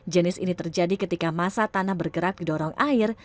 jenis ini terjadi ketika masa tanah bergerak didorong air